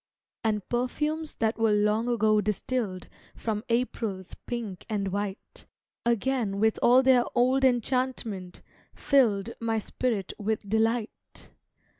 And perfumes that were long ago distilled From April's pink and white, Again with all their old enchantment, filled My spirit with delight.